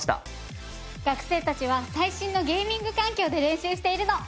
学生たちは最新のゲーミング環境で練習しているの。